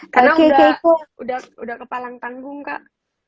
karena udah kepala tanggung kak